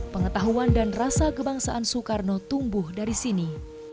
pengetahuan dan rasa kebangsaan soekarno tumbuh dari sini